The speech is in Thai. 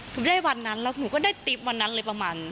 หนูได้วันนั้นแล้วหนูก็ได้ติ๊บวันนั้นเลยประมาณ